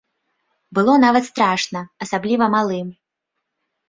Было нават страшна, асабліва малым.